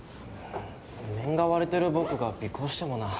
面が割れてる僕が尾行してもな。